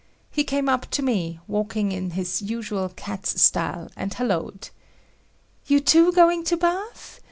He came up to me, walking in his usual cat's style, and hallooed. "You too going to bath?